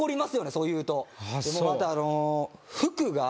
そう言うと。